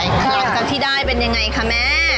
และจะตอนที่ได้แหละเป็นยังไงคะแม่